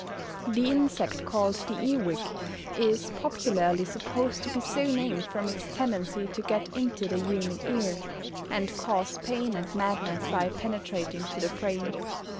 The insect called the earwig is popularly supposed to be so named from its tendency to get into the human ear, and cause pain and madness by penetrating to the brain.